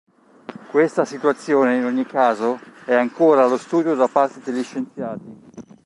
Questa situazione, in ogni caso, è ancora allo studio da parte degli scienziati.